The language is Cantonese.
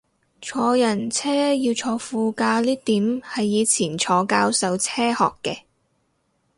坐人車要坐副駕呢點係以前坐教授車學嘅